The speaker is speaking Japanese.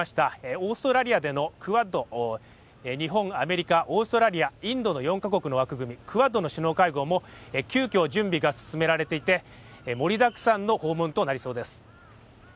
オーストラリアでのクアッド、日本、アメリカ、オーストラリア、インドの４か国の枠組み、クアッドの首脳会談も急きょ準備が進められていて盛りだくさんの訪問となりそうです。